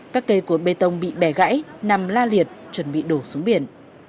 các cây cột bê tông bị bẻ gãy nằm la liệt chuẩn bị đổ xuống biển